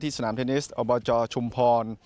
ที่สนามเทนนิสอบบจอร์ชุมพล